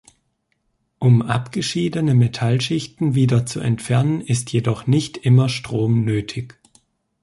Um abgeschiedene Metallschichten wieder zu entfernen, ist jedoch nicht immer Strom nötig.